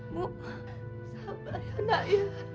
bu sabar ya nak